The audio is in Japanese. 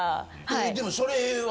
でもそれは。